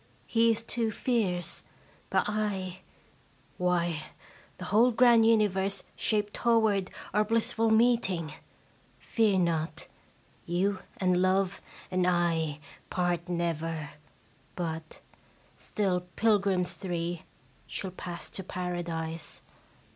He is too fierce, but / why, the whole grand universe shaped toward ottr blissful meeting ! Fear not, you and Love and I part never, but, still pil grims three, shall pass to Paradise.